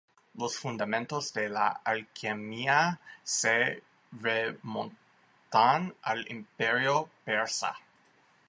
Los fundamentos de la alquimia se remontan al Imperio persa.